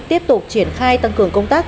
tiếp tục triển khai tăng cường công tác